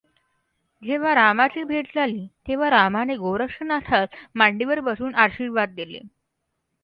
जेव्हा रामाची भेट झाली, तेव्हा रामाने गोरक्षनाथास मांडीवर बसवून आशीर्वाद दिले.